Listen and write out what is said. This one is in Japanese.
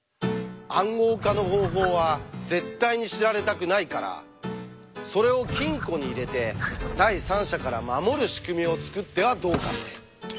「暗号化の方法」は絶対に知られたくないからそれを金庫に入れて第三者から守る仕組みを作ってはどうかって。